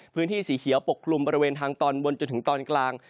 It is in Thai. พื้นที่สีเขียวปกคลุมบริเวณทางตอนบนจนถึงตอนกลาง